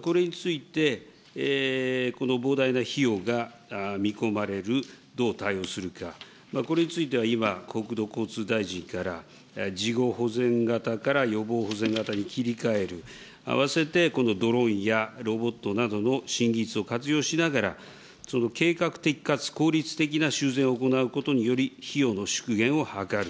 これについて、この膨大な費用が見込まれる、どう対応するか、これについては今、国土交通大臣から事後保全型から予防保全型に切り替える、併せてこのドローンやロボットなどの新技術を活用しながら、その計画的かつ効率的な修繕を行うことにより、費用の縮減を図る。